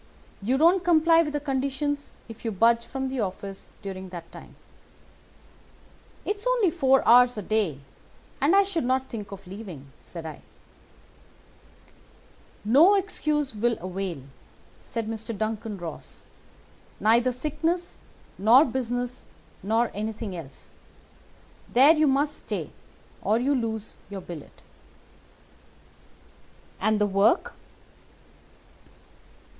You don't comply with the conditions if you budge from the office during that time.' "'It's only four hours a day, and I should not think of leaving,' said I. "'No excuse will avail,' said Mr. Duncan Ross; 'neither sickness nor business nor anything else. There you must stay, or you lose your billet.' "'And the work?